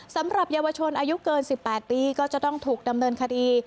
สำหรับเยาวชนอายุเกิน๑๘ปีก็จะต้องถูกดำเนินคดี